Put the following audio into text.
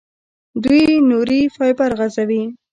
دوی نوري فایبر غځوي.